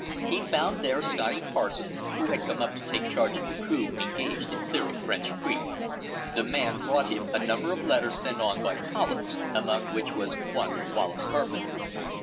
He found there Scotty Parsons, who had come up to take charge of the crew engaged in clearing French Creek. The man brought him a number of letters sent on by Collins, among which was one from Wallace Carpenter.